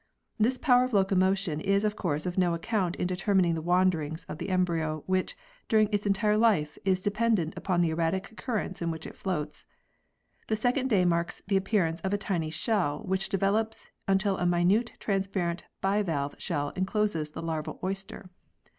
This power of locomotion is of course of no account in determining the wanderings of the embryo, which, during its entire life, is dependent upon the erratic currents in which it floats. The second day marks the appearance of a tiny shell which develops until a minute transparent bivalve shell encloses the larval oyster.